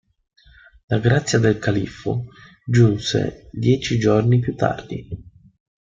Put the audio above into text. La grazia del califfo giunse dieci giorni più tardi.